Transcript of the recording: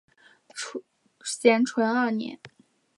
咸淳二年。